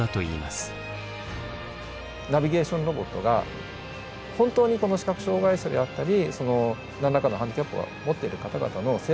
ナビゲーションロボットが本当に視覚障害者であったり何らかのハンディキャップをもっている方々の生活を広げる。